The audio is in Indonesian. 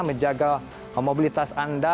menjaga mobilitas anda